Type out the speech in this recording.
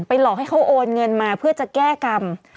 หลอกให้เขาโอนเงินมาเพื่อจะแก้กรรม